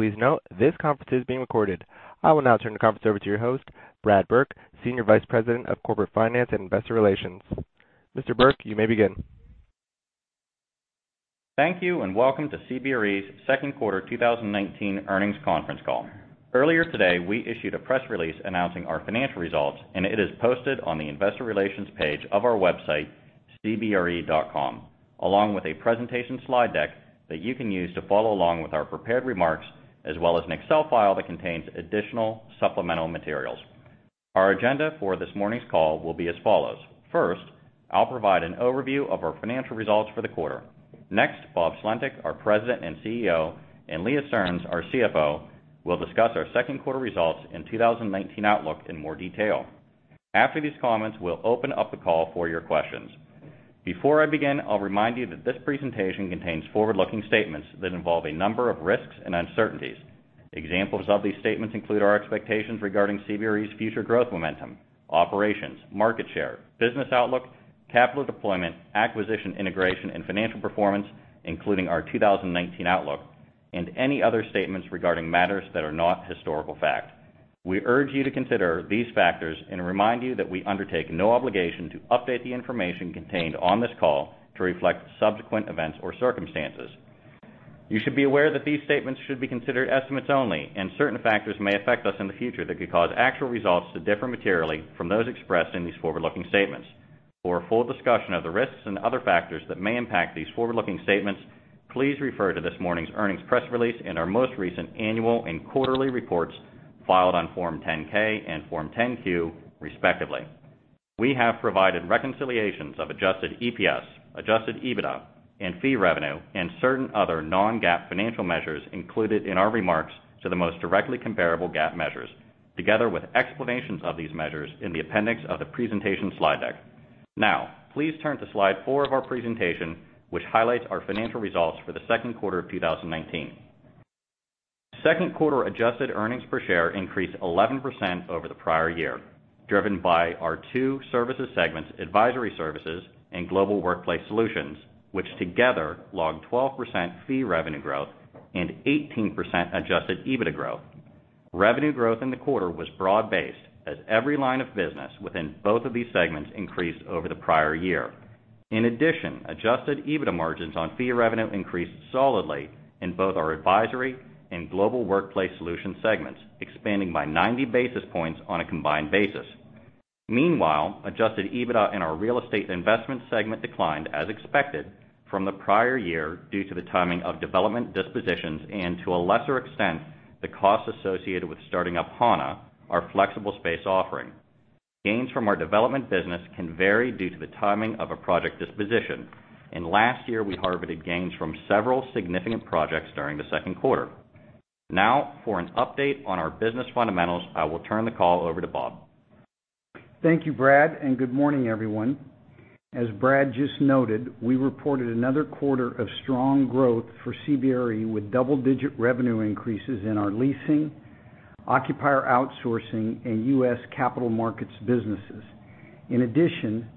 Please note, this conference is being recorded. I will now turn the conference over to your host, Brad Burke, Senior Vice President of Corporate Finance and Investor Relations. Mr. Burke, you may begin. Thank you, and welcome to CBRE's second quarter 2019 earnings conference call. Earlier today, we issued a press release announcing our financial results, and it is posted on the investor relations page of our website, cbre.com, along with a presentation slide deck that you can use to follow along with our prepared remarks, as well as an Excel file that contains additional supplemental materials. Our agenda for this morning's call will be as follows. First, I'll provide an overview of our financial results for the quarter. Next, Bob Sulentic, our President and CEO, and Leah Stearns, our CFO, will discuss our second quarter results and 2019 outlook in more detail. After these comments, we'll open up the call for your questions. Before I begin, I'll remind you that this presentation contains forward-looking statements that involve a number of risks and uncertainties. Examples of these statements include our expectations regarding CBRE's future growth momentum, operations, market share, business outlook, capital deployment, acquisition, integration and financial performance, including our 2019 outlook, and any other statements regarding matters that are not historical fact. We urge you to consider these factors and remind you that we undertake no obligation to update the information contained on this call to reflect subsequent events or circumstances. You should be aware that these statements should be considered estimates only, and certain factors may affect us in the future that could cause actual results to differ materially from those expressed in these forward-looking statements. For a full discussion of the risks and other factors that may impact these forward-looking statements, please refer to this morning's earnings press release and our most recent annual and quarterly reports filed on Form 10-K and Form 10-Q, respectively. We have provided reconciliations of adjusted EPS, adjusted EBITDA and fee revenue and certain other non-GAAP financial measures included in our remarks to the most directly comparable GAAP measures, together with explanations of these measures in the appendix of the presentation slide deck. Now, please turn to slide four of our presentation, which highlights our financial results for the second quarter of 2019. Second quarter adjusted earnings per share increased 11% over the prior year, driven by our two services segments, Advisory Services and Global Workplace Solutions, which together logged 12% fee revenue growth and 18% adjusted EBITDA growth. Revenue growth in the quarter was broad-based as every line of business within both of these segments increased over the prior year. In addition, adjusted EBITDA margins on fee revenue increased solidly in both our Advisory and Global Workplace Solutions segments, expanding by 90 basis points on a combined basis. Meanwhile, adjusted EBITDA in our Real Estate Investments segment declined as expected from the prior year due to the timing of development dispositions, and to a lesser extent, the costs associated with starting up Hana, our flexible space offering. Gains from our development business can vary due to the timing of a project disposition. In last year, we harvested gains from several significant projects during the second quarter. Now for an update on our business fundamentals, I will turn the call over to Bob. Thank you, Brad. Good morning, everyone. As Brad just noted, we reported another quarter of strong growth for CBRE with double-digit revenue increases in our leasing, occupier outsourcing, and U.S. capital markets businesses. In addition,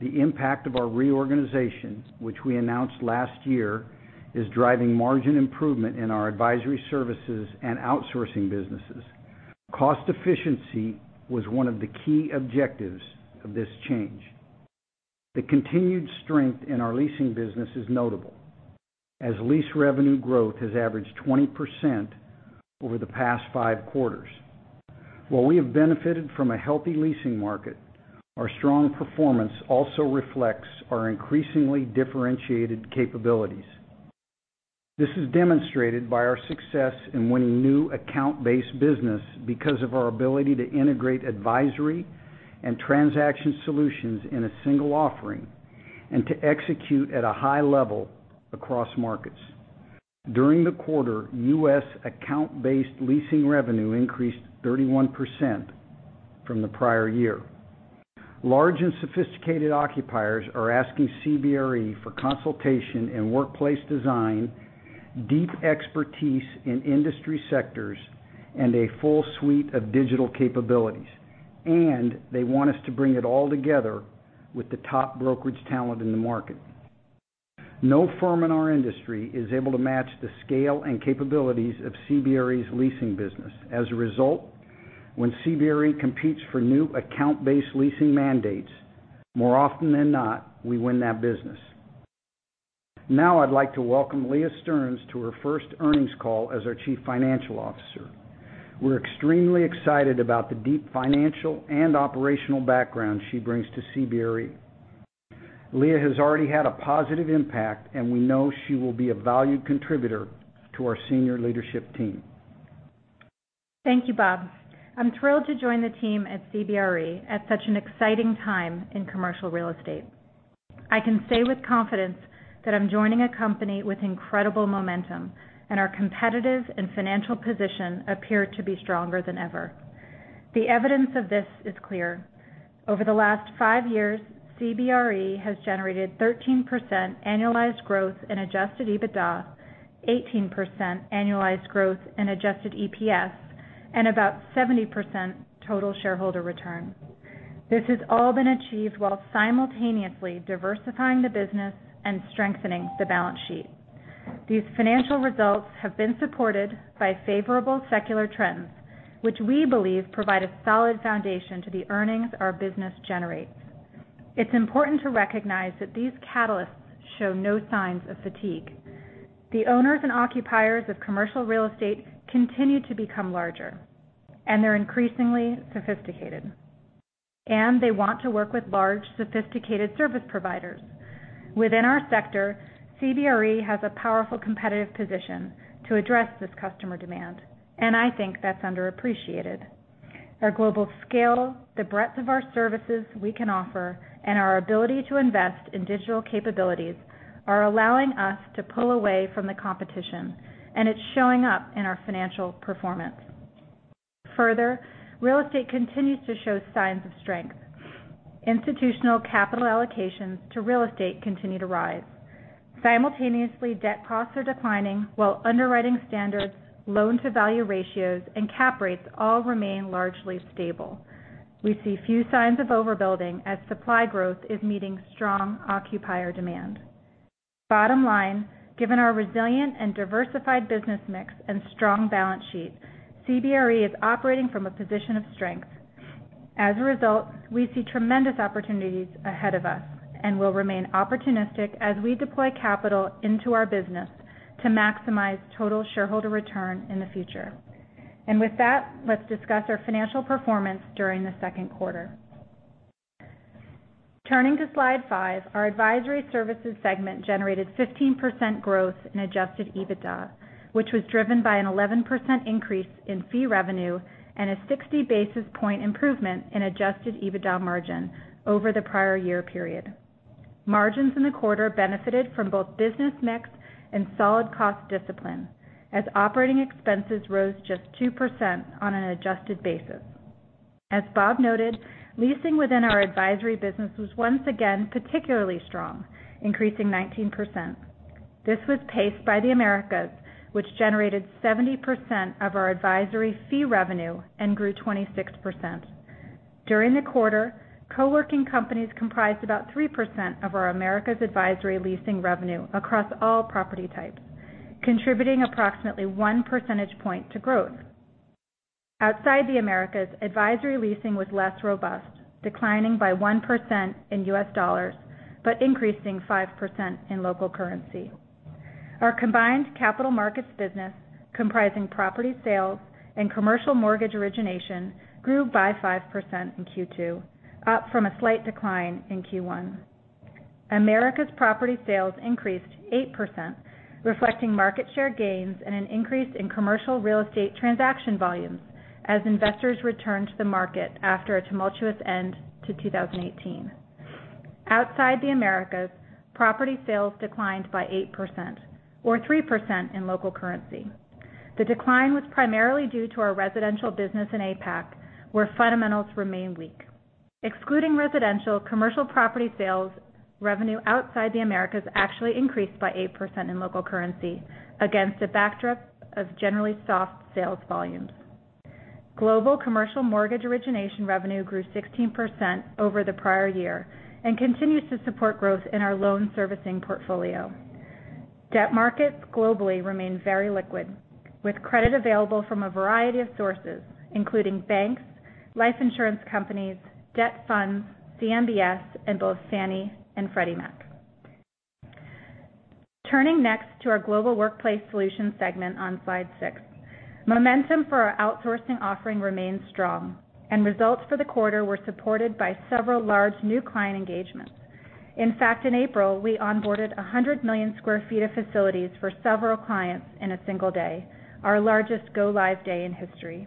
the impact of our reorganization, which we announced last year, is driving margin improvement in our Advisory Services and outsourcing businesses. Cost efficiency was one of the key objectives of this change. The continued strength in our leasing business is notable as lease revenue growth has averaged 20% over the past five quarters. While we have benefited from a healthy leasing market, our strong performance also reflects our increasingly differentiated capabilities. This is demonstrated by our success in winning new account-based business because of our ability to integrate advisory and transaction solutions in a single offering and to execute at a high level across markets. During the quarter, U.S. account-based leasing revenue increased 31% from the prior year. Large and sophisticated occupiers are asking CBRE for consultation and workplace design, deep expertise in industry sectors, and a full suite of digital capabilities. They want us to bring it all together with the top brokerage talent in the market. No firm in our industry is able to match the scale and capabilities of CBRE's leasing business. As a result, when CBRE competes for new account-based leasing mandates, more often than not, we win that business. Now I'd like to welcome Leah Stearns to her first earnings call as our Chief Financial Officer. We're extremely excited about the deep financial and operational background she brings to CBRE. Leah has already had a positive impact, and we know she will be a valued contributor to our senior leadership team. Thank you, Bob. I'm thrilled to join the team at CBRE at such an exciting time in commercial real estate. I can say with confidence that I'm joining a company with incredible momentum, and our competitive and financial position appear to be stronger than ever. The evidence of this is clear. Over the last five years, CBRE has generated 13% annualized growth in adjusted EBITDA, 18% annualized growth in adjusted EPS, and about 70% total shareholder return. This has all been achieved while simultaneously diversifying the business and strengthening the balance sheet. These financial results have been supported by favorable secular trends, which we believe provide a solid foundation to the earnings our business generates. It's important to recognize that these catalysts show no signs of fatigue. The owners and occupiers of commercial real estate continue to become larger, and they're increasingly sophisticated. They want to work with large, sophisticated service providers. Within our sector, CBRE has a powerful competitive position to address this customer demand, and I think that's underappreciated. Our global scale, the breadth of our services we can offer, and our ability to invest in digital capabilities are allowing us to pull away from the competition, and it's showing up in our financial performance. Further, real estate continues to show signs of strength. Institutional capital allocations to real estate continue to rise. Simultaneously, debt costs are declining while underwriting standards, loan-to-value ratios, and cap rates all remain largely stable. We see few signs of overbuilding as supply growth is meeting strong occupier demand. Bottom line, given our resilient and diversified business mix and strong balance sheet, CBRE is operating from a position of strength. As a result, we see tremendous opportunities ahead of us and will remain opportunistic as we deploy capital into our business to maximize total shareholder return in the future. With that, let's discuss our financial performance during the second quarter. Turning to slide five, our Advisory Services segment generated 15% growth in adjusted EBITDA, which was driven by an 11% increase in fee revenue and a 60-basis-point improvement in adjusted EBITDA margin over the prior year period. Margins in the quarter benefited from both business mix and solid cost discipline as operating expenses rose just 2% on an adjusted basis. As Bob noted, leasing within our Advisory Services was once again particularly strong, increasing 19%. This was paced by the Americas, which generated 70% of our advisory fee revenue and grew 26%. During the quarter, co-working companies comprised about 3% of our Americas advisory leasing revenue across all property types, contributing approximately 1 percentage point to growth. Outside the Americas, advisory leasing was less robust, declining by 1% in U.S. dollars, but increasing 5% in local currency. Our combined capital markets business, comprising property sales and commercial mortgage origination, grew by 5% in Q2, up from a slight decline in Q1. Americas property sales increased 8%, reflecting market share gains and an increase in commercial real estate transaction volumes as investors returned to the market after a tumultuous end to 2018. Outside the Americas, property sales declined by 8%, or 3% in local currency. The decline was primarily due to our residential business in APAC, where fundamentals remain weak. Excluding residential, commercial property sales revenue outside the Americas actually increased by 8% in local currency against a backdrop of generally soft sales volumes. Global commercial mortgage origination revenue grew 16% over the prior year and continues to support growth in our loan servicing portfolio. Debt markets globally remain very liquid, with credit available from a variety of sources, including banks, life insurance companies, debt funds, CMBS, and both Fannie and Freddie Mac. Turning next to our Global Workplace Solutions segment on slide six. Momentum for our outsourcing offering remains strong. Results for the quarter were supported by several large new client engagements. In fact, in April, we onboarded 100 million square feet of facilities for several clients in a single day, our largest go-live day in history.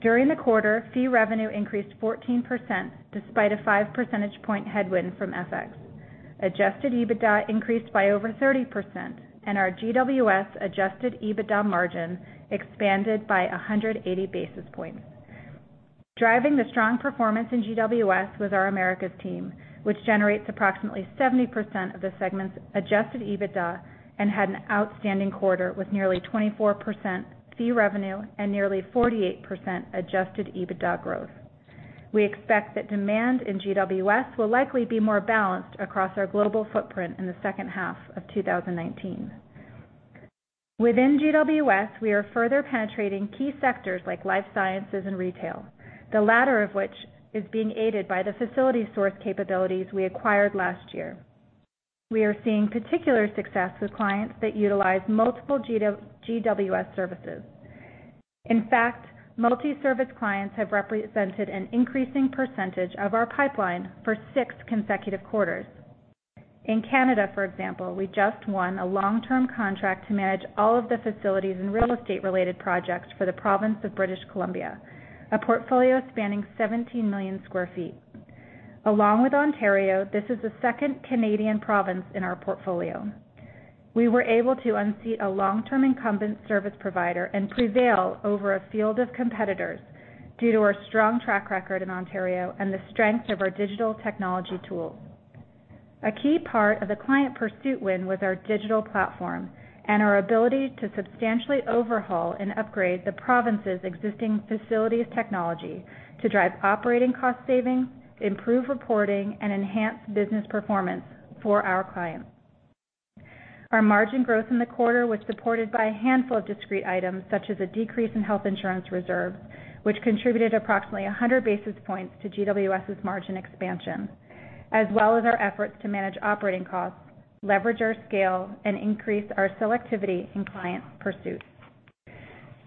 During the quarter, fee revenue increased 14%, despite a 5-percentage-point headwind from FX. Adjusted EBITDA increased by over 30%, and our GWS adjusted EBITDA margin expanded by 180 basis points. Driving the strong performance in GWS was our Americas team, which generates approximately 70% of the segment's adjusted EBITDA and had an outstanding quarter with nearly 24% fee revenue and nearly 48% adjusted EBITDA growth. We expect that demand in GWS will likely be more balanced across our global footprint in the second half of 2019. Within GWS, we are further penetrating key sectors like life sciences and retail, the latter of which is being aided by the FacilitySource capabilities we acquired last year. We are seeing particular success with clients that utilize multiple GWS services. In fact, multi-service clients have represented an increasing percentage of our pipeline for six consecutive quarters. In Canada, for example, we just won a long-term contract to manage all of the facilities and real estate-related projects for the province of British Columbia, a portfolio spanning 17 million square feet. Along with Ontario, this is the second Canadian province in our portfolio. We were able to unseat a long-term incumbent service provider and prevail over a field of competitors due to our strong track record in Ontario and the strength of our digital technology tools. A key part of the client pursuit win was our digital platform and our ability to substantially overhaul and upgrade the province's existing facilities technology to drive operating cost savings, improve reporting, and enhance business performance for our clients. Our margin growth in the quarter was supported by a handful of discrete items, such as a decrease in health insurance reserve, which contributed approximately 100 basis points to GWS' margin expansion, as well as our efforts to manage operating costs, leverage our scale, and increase our selectivity in client pursuit.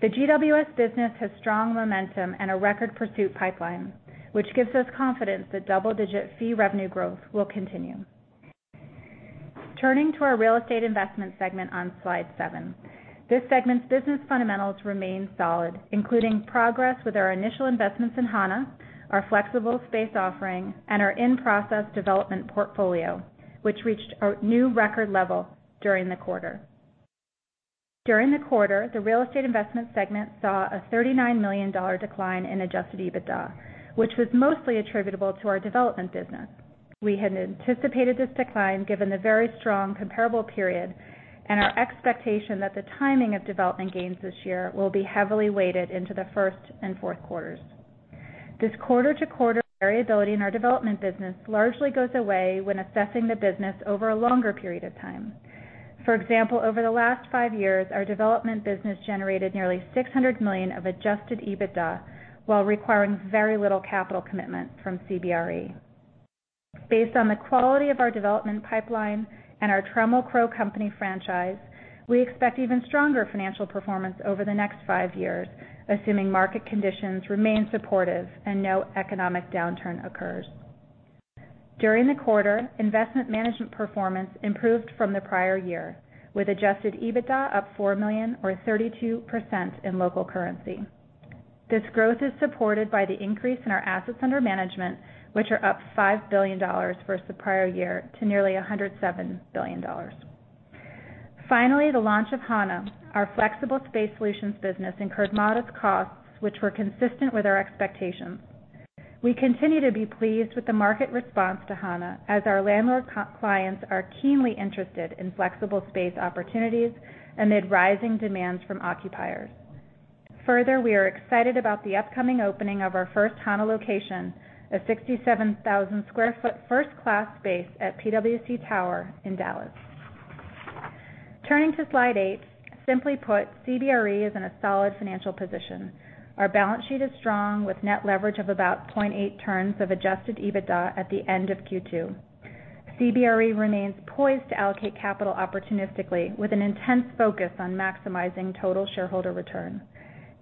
The GWS business has strong momentum and a record pursuit pipeline, which gives us confidence that double-digit fee revenue growth will continue. Turning to our Real Estate Investments segment on slide seven. This segment's business fundamentals remain solid, including progress with our initial investments in Hana, our flexible space offering, and our in-process development portfolio, which reached a new record level during the quarter. During the quarter, the Real Estate Investments segment saw a $39 million decline in adjusted EBITDA, which was mostly attributable to our development business. We had anticipated this decline given the very strong comparable period and our expectation that the timing of development gains this year will be heavily weighted into the first and fourth quarters. This quarter-to-quarter variability in our development business largely goes away when assessing the business over a longer period of time. For example, over the last five years, our development business generated nearly $600 million of adjusted EBITDA while requiring very little capital commitment from CBRE. Based on the quality of our development pipeline and our Trammell Crow Company franchise, we expect even stronger financial performance over the next five years, assuming market conditions remain supportive and no economic downturn occurs. During the quarter, investment management performance improved from the prior year with adjusted EBITDA up $4 million or 32% in local currency. This growth is supported by the increase in our assets under management, which are up $5 billion versus the prior year to nearly $107 billion. Finally, the launch of Hana, our flexible space solutions business, incurred modest costs which were consistent with our expectations. We continue to be pleased with the market response to Hana as our landlord clients are keenly interested in flexible space opportunities amid rising demands from occupiers. Further, we are excited about the upcoming opening of our first Hana location, a 67,000 sq ft first-class space at PwC Tower in Dallas. Turning to slide eight. Simply put, CBRE is in a solid financial position. Our balance sheet is strong with net leverage of about 0.8 turns of adjusted EBITDA at the end of Q2. CBRE remains poised to allocate capital opportunistically with an intense focus on maximizing total shareholder return.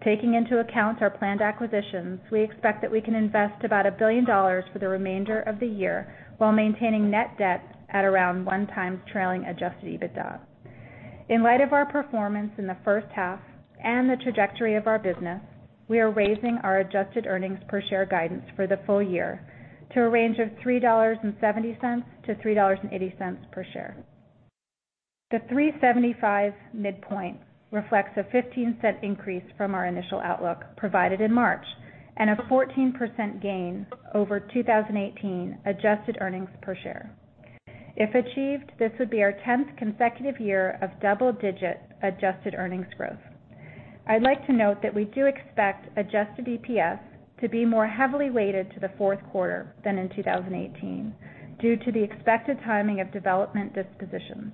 Taking into account our planned acquisitions, we expect that we can invest about $1 billion for the remainder of the year while maintaining net debt at around 1x trailing adjusted EBITDA. In light of our performance in the first half and the trajectory of our business, we are raising our adjusted earnings per share guidance for the full year to a range of $3.70-$3.80 per share. The $3.75 midpoint reflects a $0.15 increase from our initial outlook provided in March and a 14% gain over 2018 adjusted earnings per share. If achieved, this would be our 10th consecutive year of double-digit adjusted earnings growth. I'd like to note that we do expect adjusted EPS to be more heavily weighted to the fourth quarter than in 2018 due to the expected timing of development dispositions.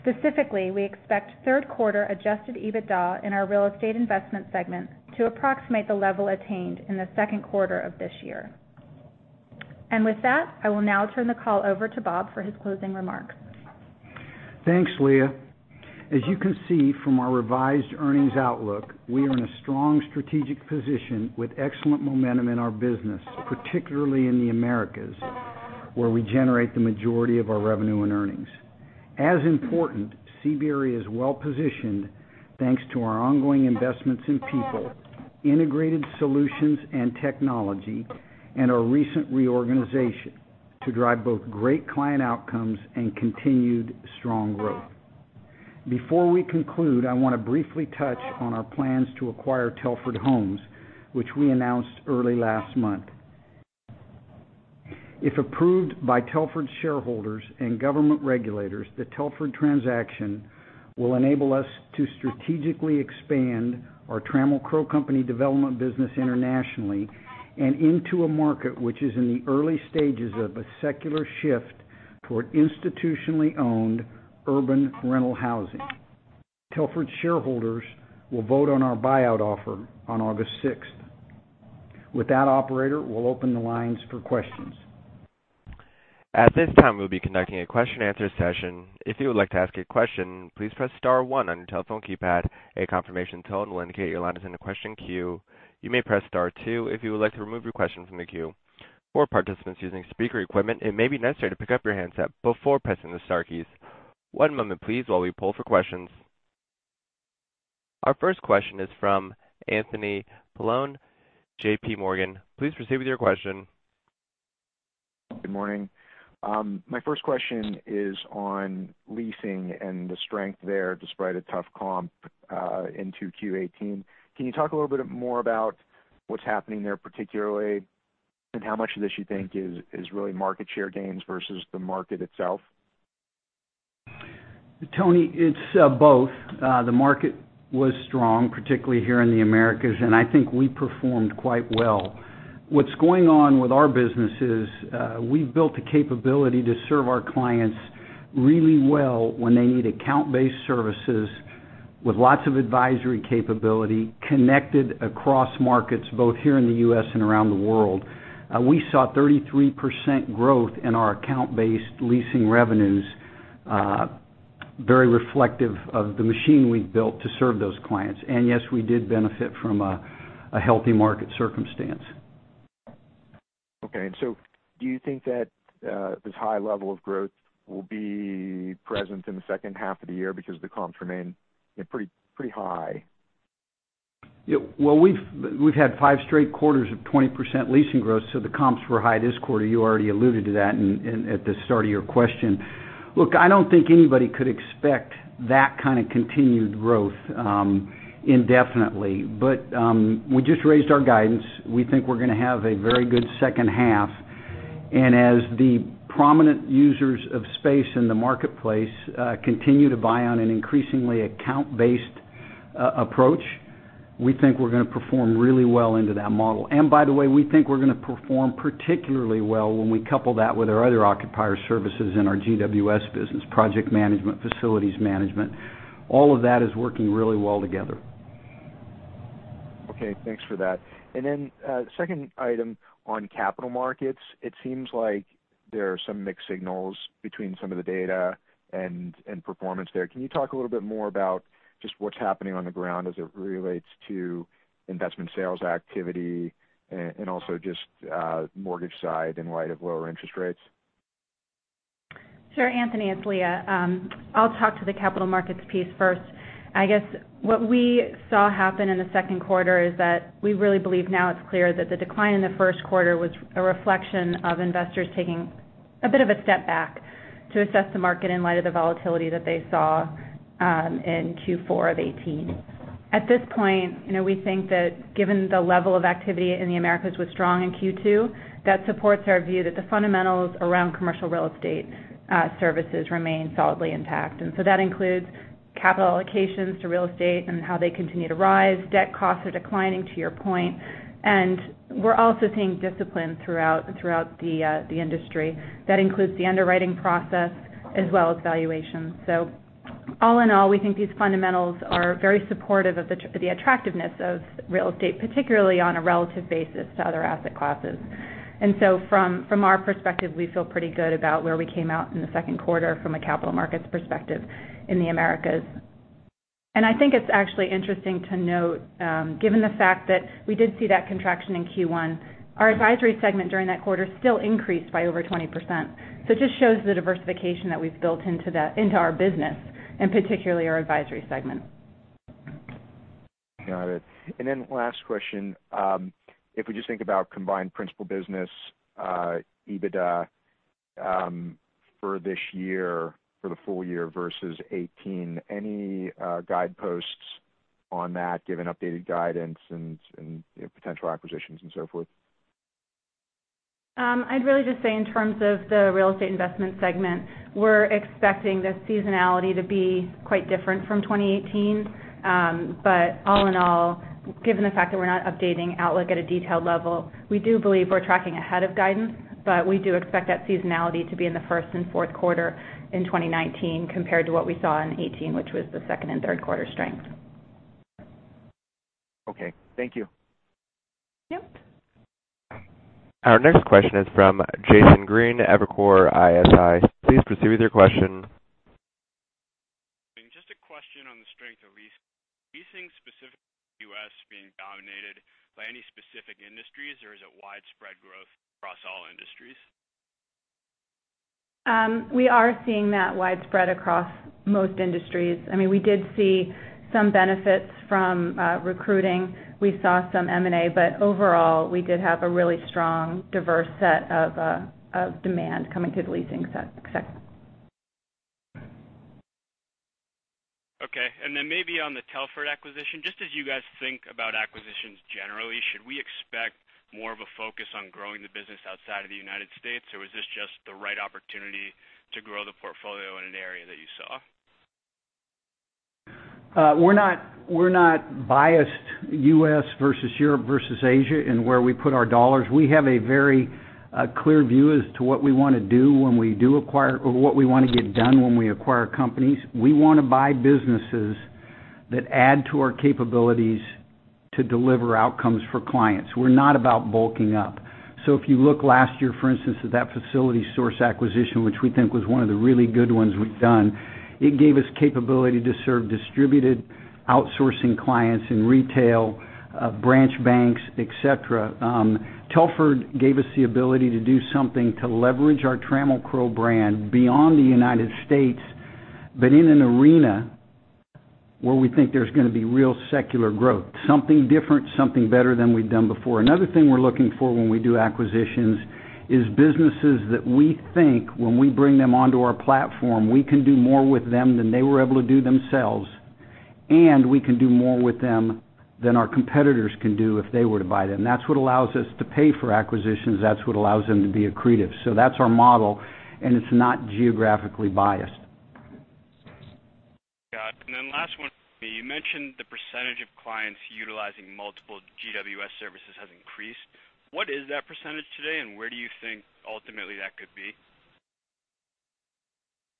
Specifically, we expect third quarter adjusted EBITDA in our Real Estate Investments segment to approximate the level attained in the second quarter of this year. With that, I will now turn the call over to Bob for his closing remarks. Thanks, Leah. As you can see from our revised earnings outlook, we are in a strong strategic position with excellent momentum in our business, particularly in the Americas, where we generate the majority of our revenue and earnings. As important, CBRE is well-positioned, thanks to our ongoing investments in people, integrated solutions and technology, and our recent reorganization to drive both great client outcomes and continued strong growth. Before we conclude, I want to briefly touch on our plans to acquire Telford Homes, which we announced early last month. If approved by Telford's shareholders and government regulators, the Telford transaction will enable us to strategically expand our Trammell Crow Company development business internationally and into a market which is in the early stages of a secular shift toward institutionally owned urban rental housing. Telford shareholders will vote on our buyout offer on August 6th. With that, operator, we'll open the lines for questions. At this time, we'll be conducting a question and answer session. If you would like to ask a question, please press star one on your telephone keypad. A confirmation tone will indicate your line is in the question queue. You may press star two if you would like to remove your question from the queue. For participants using speaker equipment, it may be necessary to pick up your handset before pressing the star keys. One moment please while we poll for questions. Our first question is from Anthony Paolone, JPMorgan. Please proceed with your question. Good morning. My first question is on leasing and the strength there despite a tough comp in 2Q 2018. Can you talk a little bit more about what's happening there particularly, and how much of this you think is really market share gains versus the market itself? Tony, it's both. The market was strong, particularly here in the Americas, and I think we performed quite well. What's going on with our business is, we've built the capability to serve our clients really well when they need account-based services with lots of advisory capability, connected across markets, both here in the U.S. and around the world. We saw 33% growth in our account-based leasing revenues, very reflective of the machine we've built to serve those clients. Yes, we did benefit from a healthy market circumstance. Okay. Do you think that this high level of growth will be present in the second half of the year because the comps remain pretty high? Yeah. Well, we've had five straight quarters of 20% leasing growth, so the comps were high this quarter. You already alluded to that at the start of your question. Look, I don't think anybody could expect that kind of continued growth indefinitely. We just raised our guidance. We think we're going to have a very good second half. As the prominent users of space in the marketplace continue to buy on an increasingly account-based approach, we think we're going to perform really well into that model. By the way, we think we're going to perform particularly well when we couple that with our other occupier services in our GWS business, project management, facilities management. All of that is working really well together. Okay. Thanks for that. Second item on capital markets. It seems like there are some mixed signals between some of the data and performance there. Can you talk a little bit more about just what's happening on the ground as it relates to investment sales activity and also just mortgage side in light of lower interest rates? Sure, Anthony, it's Leah. I'll talk to the capital markets piece first. I guess what we saw happen in the second quarter is that we really believe now it's clear that the decline in the first quarter was a reflection of investors taking a bit of a step back to assess the market in light of the volatility that they saw in Q4 of 2018. At this point, we think that given the level of activity in the Americas was strong in Q2, that supports our view that the fundamentals around commercial real estate services remain solidly intact. That includes capital allocations to real estate and how they continue to rise. Debt costs are declining, to your point. We're also seeing discipline throughout the industry. That includes the underwriting process as well as valuation. All in all, we think these fundamentals are very supportive of the attractiveness of real estate, particularly on a relative basis to other asset classes. From our perspective, we feel pretty good about where we came out in the second quarter from a capital markets perspective in the Americas. I think it's actually interesting to note, given the fact that we did see that contraction in Q1, our Advisory segment during that quarter still increased by over 20%. It just shows the diversification that we've built into our business, and particularly our Advisory segment. Got it. Last question. If we just think about combined principal business EBITDA for this year, for the full year versus 2018, any guideposts on that, given updated guidance and potential acquisitions and so forth? I'd really just say in terms of the Real Estate Investments segment, we're expecting the seasonality to be quite different from 2018. All in all, given the fact that we're not updating outlook at a detailed level, we do believe we're tracking ahead of guidance, but we do expect that seasonality to be in the first and fourth quarter in 2019 compared to what we saw in 2018, which was the second and third quarter strength. Okay. Thank you. Yep. Our next question is from Jason Green, Evercore ISI. Please proceed with your question. Just a question on the strength of leasing. Leasing specific to the U.S. being dominated by any specific industries, or is it widespread growth across all industries? We are seeing that widespread across most industries. We did see some benefits from recruiting. We saw some M&A. Overall, we did have a really strong, diverse set of demand coming through the leasing segment. Okay. Maybe on the Telford acquisition, just as you guys think about acquisitions generally, should we expect more of a focus on growing the business outside of the Unites States, or was this just the right opportunity to grow the portfolio in an area that you saw? We're not biased, U.S. versus Europe versus Asia in where we put our dollars. We have a very clear view as to what we want to get done when we acquire companies. We want to buy businesses that add to our capabilities to deliver outcomes for clients. We're not about bulking up. If you look last year, for instance, at that FacilitySource acquisition, which we think was one of the really good ones we've done, it gave us capability to serve distributed outsourcing clients in retail, branch banks, et cetera. Telford gave us the ability to do something to leverage our Trammell Crow brand beyond the United States, but in an arena where we think there's going to be real secular growth, something different, something better than we've done before. Another thing we're looking for when we do acquisitions is businesses that we think when we bring them onto our platform, we can do more with them than they were able to do themselves. We can do more with them than our competitors can do if they were to buy them. That's what allows us to pay for acquisitions. That's what allows them to be accretive. That's our model, and it's not geographically biased. Got it. Last one. You mentioned the percentage of clients utilizing multiple GWS services has increased. What is that percentage today, and where do you think ultimately that could be?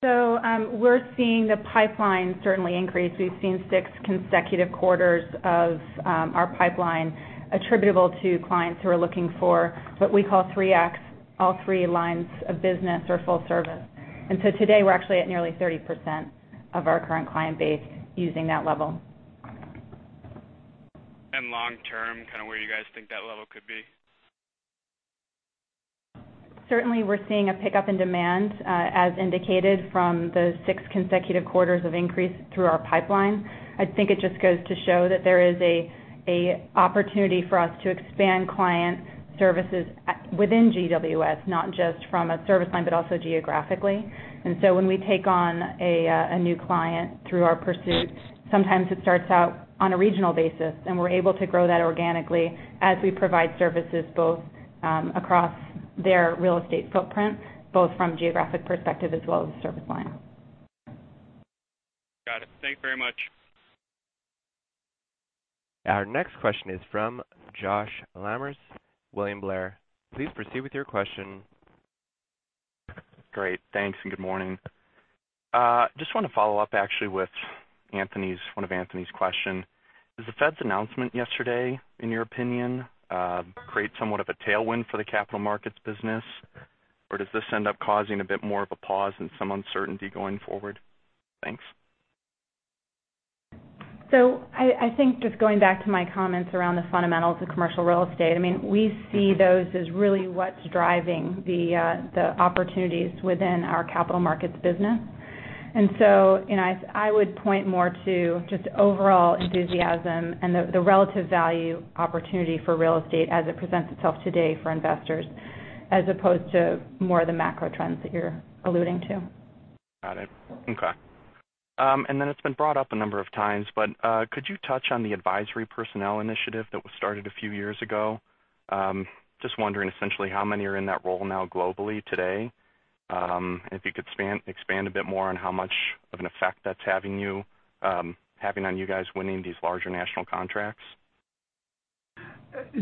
We're seeing the pipeline certainly increase. We've seen six consecutive quarters of our pipeline attributable to clients who are looking for what we call three X, all three lines of business or full service. Today, we're actually at nearly 30% of our current client base using that level. Long term, kind of where you guys think that level could be? Certainly, we're seeing a pickup in demand, as indicated from those six consecutive quarters of increase through our pipeline. I think it just goes to show that there is an opportunity for us to expand client services within GWS, not just from a service line, but also geographically. When we take on a new client through our pursuit, sometimes it starts out on a regional basis, and we're able to grow that organically as we provide services both across their real estate footprint, both from geographic perspective as well as the service line. Got it. Thank you very much. Our next question is from Josh Lamers, William Blair. Please proceed with your question. Great. Thanks, and good morning. Just want to follow up actually with one of Anthony's question. Does the Fed's announcement yesterday, in your opinion, create somewhat of a tailwind for the capital markets business, or does this end up causing a bit more of a pause and some uncertainty going forward? Thanks. I think just going back to my comments around the fundamentals of commercial real estate, we see those as really what's driving the opportunities within our capital markets business. I would point more to just the overall enthusiasm and the relative value opportunity for real estate as it presents itself today for investors, as opposed to more the macro trends that you're alluding to. Got it. Okay. It's been brought up a number of times, but could you touch on the advisory personnel initiative that was started a few years ago? Just wondering essentially how many are in that role now globally today. If you could expand a bit more on how much of an effect that's having on you guys winning these larger national contracts.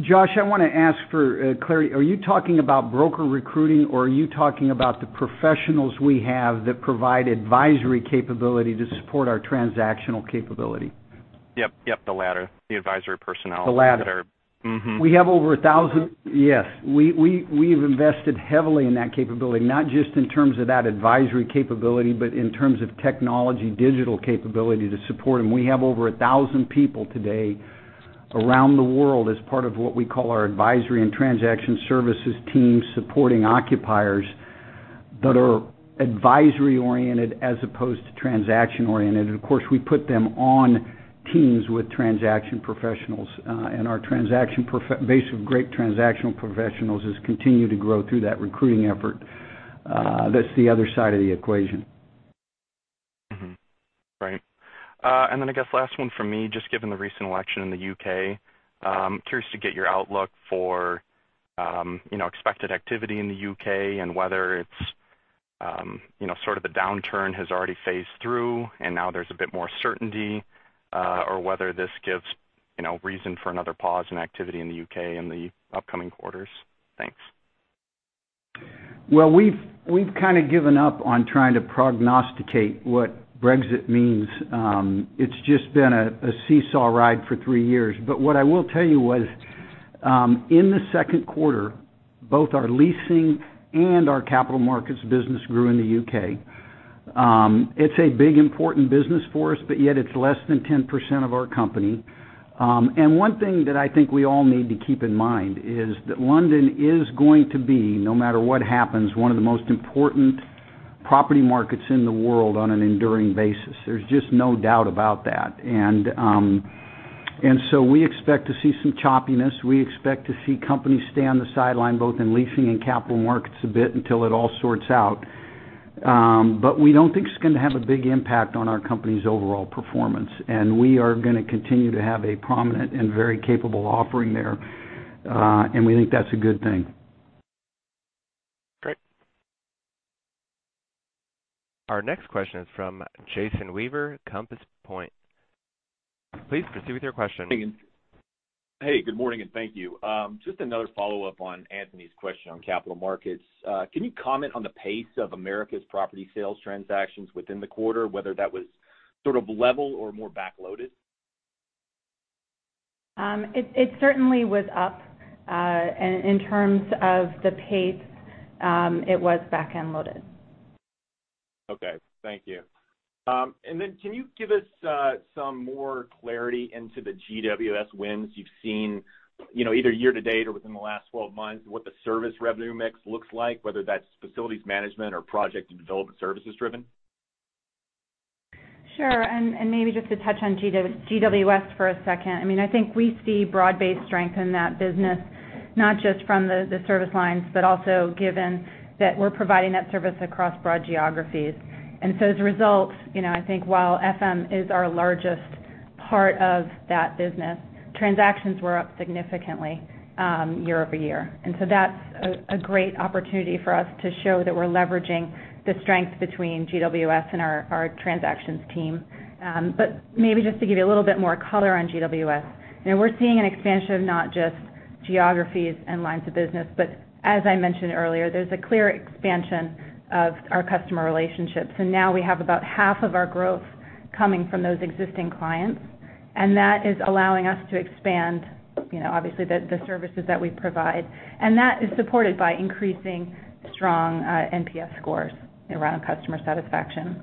Josh, I want to ask for clarity. Are you talking about broker recruiting, or are you talking about the professionals we have that provide advisory capability to support our transactional capability? Yep, the latter, the advisory personnel. The latter. We have over 1,000. Yes. We've invested heavily in that capability, not just in terms of that advisory capability, but in terms of technology, digital capability to support them. We have over 1,000 people today around the world as part of what we call our advisory and transaction services team, supporting occupiers that are advisory oriented as opposed to transaction oriented. Of course, we put them on teams with transaction professionals, and our base of great transactional professionals has continued to grow through that recruiting effort. That's the other side of the equation. Right. I guess last one from me, just given the recent election in the U.K., I'm curious to get your outlook for expected activity in the U.K. and whether it's sort of the downturn has already phased through and now there's a bit more certainty, or whether this gives reason for another pause in activity in the U.K. in the upcoming quarters. Thanks. Well, we've kind of given up on trying to prognosticate what Brexit means. It's just been a seesaw ride for three years. What I will tell you was, in the second quarter, both our leasing and our capital markets business grew in the U.K. It's a big, important business for us, but yet it's less than 10% of our company. One thing that I think we all need to keep in mind is that London is going to be, no matter what happens, one of the most important property markets in the world on an enduring basis. There's just no doubt about that. We expect to see some choppiness. We expect to see companies stay on the sideline, both in leasing and capital markets a bit until it all sorts out. We don't think it's going to have a big impact on our company's overall performance, and we are going to continue to have a prominent and very capable offering there. We think that's a good thing. Great. Our next question is from Jason Weaver, Compass Point. Please proceed with your question. Hey, good morning, and thank you. Just another follow-up on Anthony's question on capital markets. Can you comment on the pace of America's property sales transactions within the quarter, whether that was sort of level or more back-loaded? It certainly was up, and in terms of the pace, it was back-end loaded. Okay. Thank you. Can you give us some more clarity into the GWS wins you've seen, either year to date or within the last 12 months, what the service revenue mix looks like, whether that's facilities management or project and development services driven? Sure. Maybe just to touch on GWS for a second. I think we see broad-based strength in that business, not just from the service lines, but also given that we're providing that service across broad geographies. As a result, I think while FM is our largest part of that business, transactions were up significantly year-over-year. That's a great opportunity for us to show that we're leveraging the strength between GWS and our transactions team. Maybe just to give you a little bit more color on GWS. We're seeing an expansion of not just geographies and lines of business, but as I mentioned earlier, there's a clear expansion of our customer relationships. Now we have about half of our growth coming from those existing clients, and that is allowing us to expand, obviously, the services that we provide. That is supported by increasing strong NPS scores around customer satisfaction.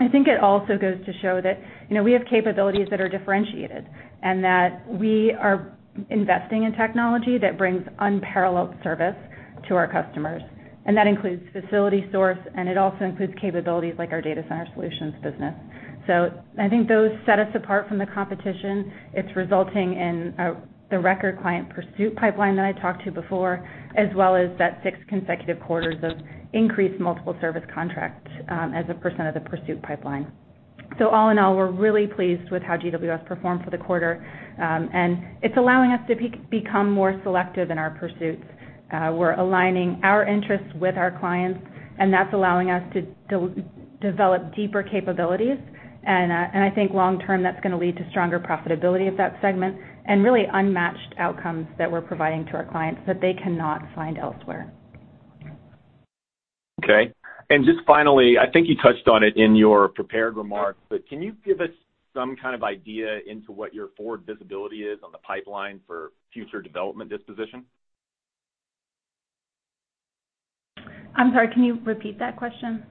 I think it also goes to show that we have capabilities that are differentiated, and that we are investing in technology that brings unparalleled service to our customers. That includes FacilitySource, and it also includes capabilities like our data center solutions business. I think those set us apart from the competition. It's resulting in the record client pursuit pipeline that I talked to before, as well as that six consecutive quarters of increased multiple service contracts as a percent of the pursuit pipeline. All in all, we're really pleased with how GWS performed for the quarter. It's allowing us to become more selective in our pursuits. We're aligning our interests with our clients, and that's allowing us to develop deeper capabilities. I think long-term, that's going to lead to stronger profitability of that segment and really unmatched outcomes that we're providing to our clients that they cannot find elsewhere. Okay. Just finally, I think you touched on it in your prepared remarks, but can you give us some kind of idea into what your forward visibility is on the pipeline for future development disposition? I'm sorry, can you repeat that question?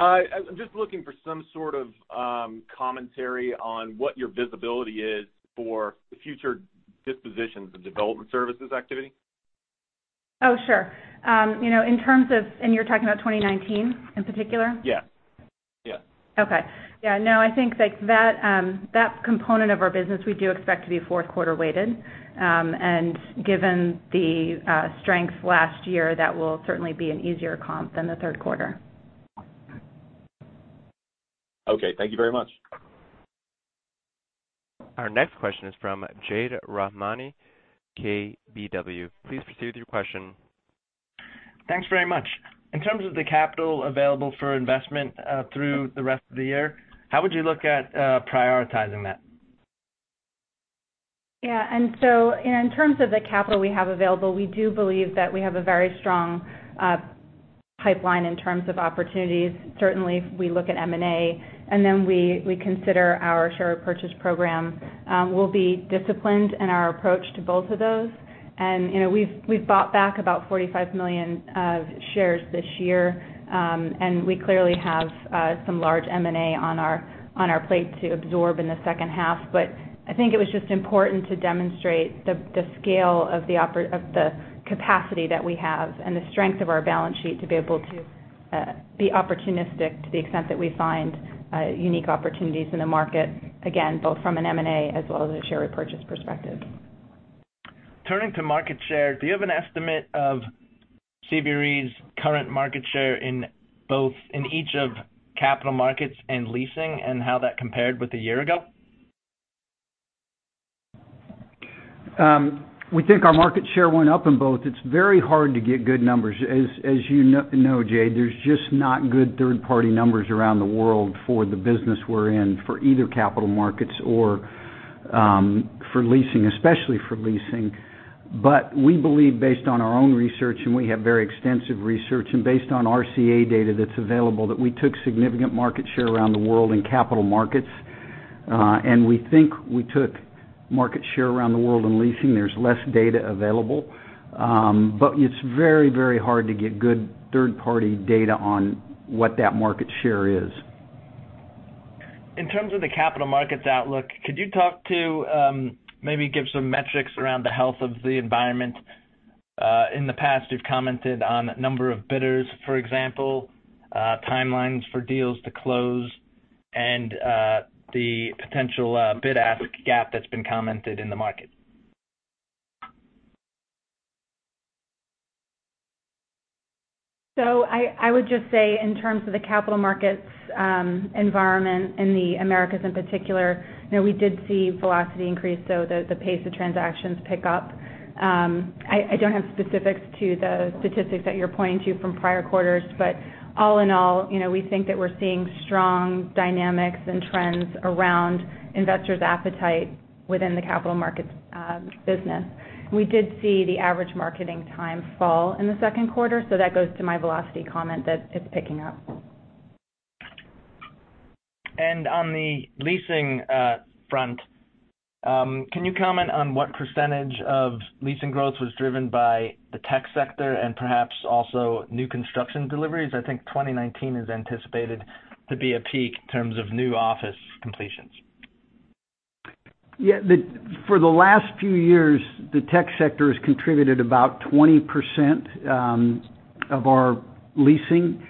I'm just looking for some sort of commentary on what your visibility is for the future dispositions of development services activity. Oh, sure. You're talking about 2019 in particular? Yeah. Okay. Yeah, no, I think that component of our business, we do expect to be fourth quarter weighted. Given the strength last year, that will certainly be an easier comp than the third quarter. Okay. Thank you very much. Our next question is from Jade Rahmani, KBW. Please proceed with your question. Thanks very much. In terms of the capital available for investment through the rest of the year, how would you look at prioritizing that? In terms of the capital we have available, we do believe that we have a very strong pipeline in terms of opportunities. Certainly, we look at M&A, and then we consider our share purchase program. We'll be disciplined in our approach to both of those. We've bought back about $45 million of shares this year. We clearly have some large M&A on our plate to absorb in the second half. I think it was just important to demonstrate the scale of the capacity that we have and the strength of our balance sheet to be able to be opportunistic to the extent that we find unique opportunities in the market, again, both from an M&A as well as a share repurchase perspective. Turning to market share, do you have an estimate of CBRE's current market share in each of capital markets and leasing, and how that compared with a year ago? We think our market share went up in both. It's very hard to get good numbers. As you know, Jade, there's just not good third-party numbers around the world for the business we're in for either capital markets or for leasing, especially for leasing. We believe based on our own research, and we have very extensive research, and based on RCA data that's available, that we took significant market share around the world in capital markets. We think we took market share around the world in leasing. There's less data available. It's very, very hard to get good third-party data on what that market share is. In terms of the capital markets outlook, could you talk to maybe give some metrics around the health of the environment? In the past, you've commented on number of bidders, for example, timelines for deals to close, and the potential bid-ask gap that's been commented in the market. I would just say in terms of the capital markets environment in the Americas in particular, we did see velocity increase, so the pace of transactions pick up. I don't have specifics to the statistics that you're pointing to from prior quarters. All in all, we think that we're seeing strong dynamics and trends around investors' appetite within the capital markets business. We did see the average marketing time fall in the second quarter. That goes to my velocity comment that it's picking up. On the leasing front, can you comment on what percentage of leasing growth was driven by the tech sector and perhaps also new construction deliveries? I think 2019 is anticipated to be a peak in terms of new office completions. Yeah. For the last few years, the tech sector has contributed about 20% of our leasing.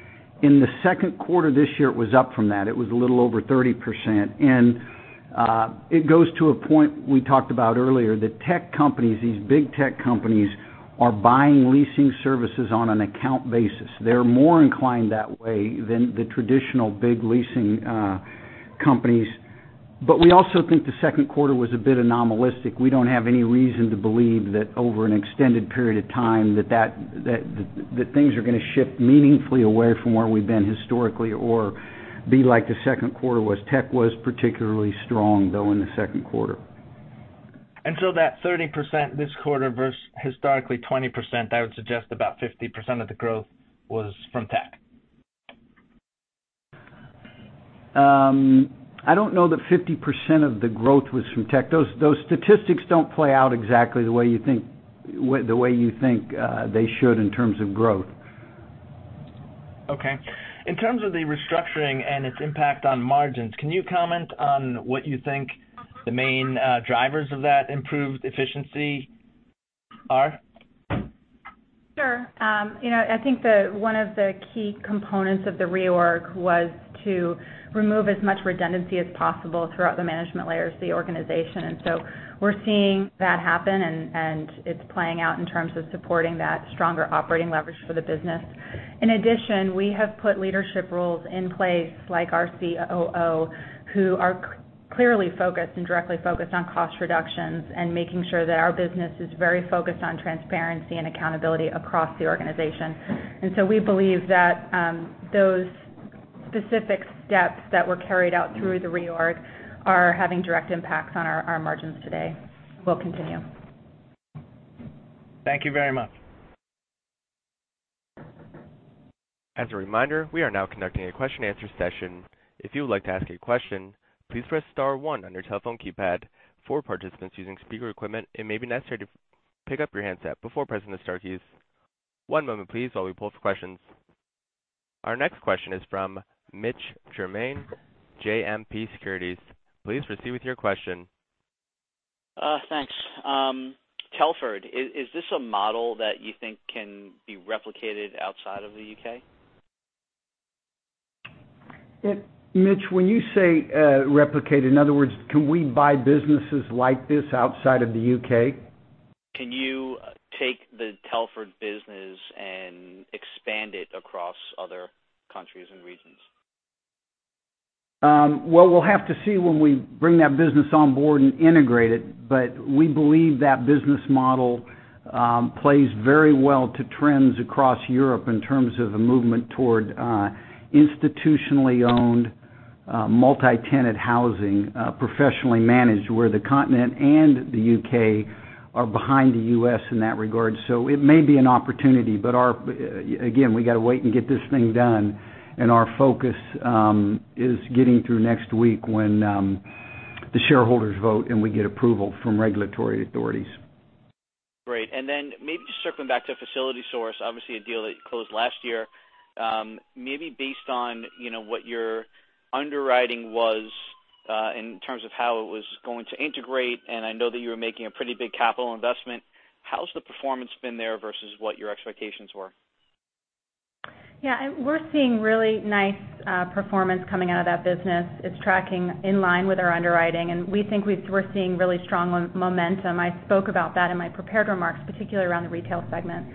In the second quarter this year, it was up from that. It was a little over 30%. It goes to a point we talked about earlier. The tech companies, these big tech companies, are buying leasing services on an account basis. They're more inclined that way than the traditional big leasing companies. We also think the second quarter was a bit anomalistic. We don't have any reason to believe that over an extended period of time, that things are going to shift meaningfully away from where we've been historically or be like the second quarter was. Tech was particularly strong, though, in the second quarter. That 30% this quarter versus historically 20%, I would suggest about 50% of the growth was from tech. I don't know that 50% of the growth was from tech. Those statistics don't play out exactly the way you think they should in terms of growth. In terms of the restructuring and its impact on margins, can you comment on what you think the main drivers of that improved efficiency are? Sure. I think one of the key components of the reorg was to remove as much redundancy as possible throughout the management layers of the organization. We're seeing that happen, and it's playing out in terms of supporting that stronger operating leverage for the business. In addition, we have put leadership roles in place, like our COO, who are clearly focused and directly focused on cost reductions and making sure that our business is very focused on transparency and accountability across the organization. We believe that those specific steps that were carried out through the reorg are having direct impacts on our margins today will continue. Thank you very much. As a reminder, we are now conducting a question and answer session. If you would like to ask a question, please press star one on your telephone keypad. For participants using speaker equipment, it may be necessary to pick up your handset before pressing the star keys. One moment please while we pull for questions. Our next question is from Mitch Germain, JMP Securities. Please proceed with your question. Thanks. Telford, is this a model that you think can be replicated outside of the U.K.? Mitch, when you say replicated, in other words, can we buy businesses like this outside of the U.K.? Can you take the Telford business and expand it across other countries and regions? Well, we'll have to see when we bring that business on board and integrate it, but we believe that business model plays very well to trends across Europe in terms of a movement toward institutionally owned, multi-tenant housing, professionally managed, where the continent and the U.K. are behind the U.S. in that regard. It may be an opportunity, but again, we got to wait and get this thing done, and our focus is getting through next week when the shareholders vote, and we get approval from regulatory authorities. Great. Maybe just circling back to FacilitySource, obviously a deal that you closed last year. Maybe based on what your underwriting was in terms of how it was going to integrate, and I know that you were making a pretty big capital investment, how's the performance been there versus what your expectations were? Yeah. We're seeing really nice performance coming out of that business. It's tracking in line with our underwriting, and we think we're seeing really strong momentum. I spoke about that in my prepared remarks, particularly around the retail segment.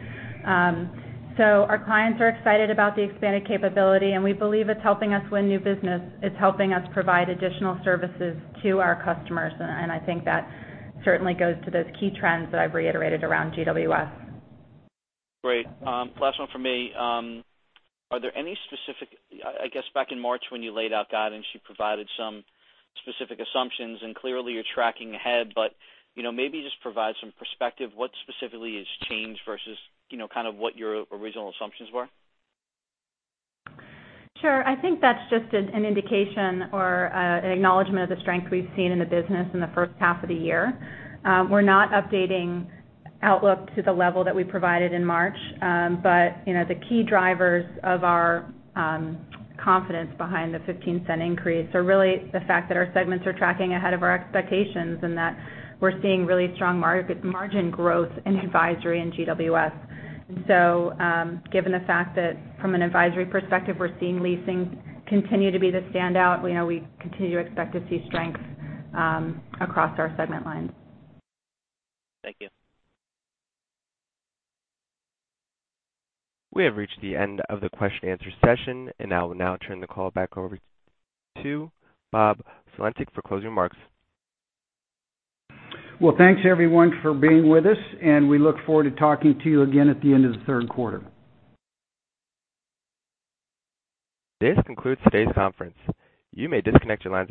Our clients are excited about the expanded capability, and we believe it's helping us win new business. It's helping us provide additional services to our customers, and I think that certainly goes to those key trends that I've reiterated around GWS. Great. Last one from me. Are there any, I guess back in March when you laid out guidance, you provided some specific assumptions, and clearly you're tracking ahead. Maybe just provide some perspective. What specifically has changed versus what your original assumptions were? Sure. I think that's just an indication or an acknowledgment of the strength we've seen in the business in the first half of the year. We're not updating outlook to the level that we provided in March. The key drivers of our confidence behind the $0.15 increase are really the fact that our segments are tracking ahead of our expectations and that we're seeing really strong margin growth in Advisory and GWS. Given the fact that from an Advisory perspective, we're seeing leasing continue to be the standout, we know we continue to expect to see strength across our segment lines. Thank you. We have reached the end of the question and answer session, and I will now turn the call back over to Bob Sulentic for closing remarks. Well, thanks everyone for being with us, and we look forward to talking to you again at the end of the third quarter. This concludes today's conference. You may disconnect your lines.